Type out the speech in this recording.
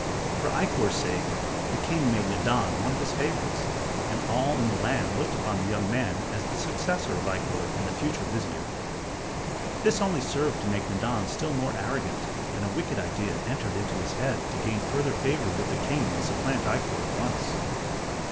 For Ikkor's sake, the king made Nadan one of his favorites, and all in the land looked upon the young man as the successor of Ikkor and the future vizier. This only served to make Nadan still more arrogant, and a wicked idea entered his head to gain further favor with the king and supplant Ikkor at once.